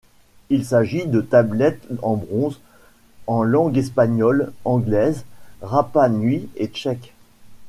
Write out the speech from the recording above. Il s'agit de tablettes en bronze en langues espagnole, anglaise, rapa-nui et tchèque.